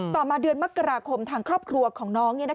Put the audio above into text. มาเดือนมกราคมทางครอบครัวของน้อง